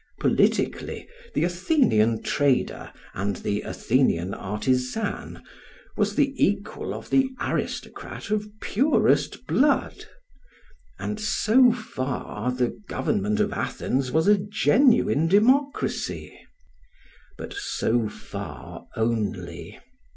Politically, the Athenian trader and the Athenian artisan was the equal of the aristocrat of purest blood; and so far the government of Athens was a genuine democracy. But so far only.